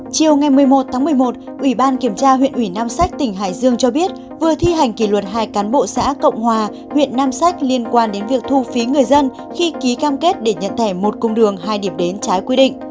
chiều ngày một mươi một tháng một mươi một ủy ban kiểm tra huyện ủy nam sách tỉnh hải dương cho biết vừa thi hành kỷ luật hai cán bộ xã cộng hòa huyện nam sách liên quan đến việc thu phí người dân khi ký cam kết để nhận thẻ một cung đường hai điểm đến trái quy định